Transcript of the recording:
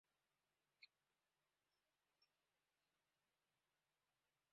Dia menerima lamarannya.